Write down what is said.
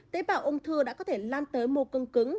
tế bảo ung thư đã có thể lan tới mô cưng cứng